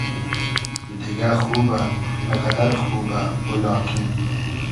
دیگۂ خوبۂ غئدئر خوبۂ او لاکین